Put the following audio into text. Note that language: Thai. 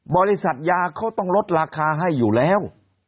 บริษัทยาเขาต้องลดราคาให้อยู่แล้ว